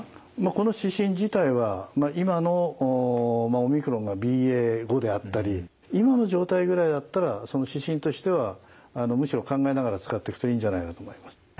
この指針自体は今のオミクロンがＢＡ．５であったり今の状態ぐらいだったら指針としてはむしろ考えながら使っていくといいんじゃないかと思います。